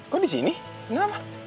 kok di sini kenapa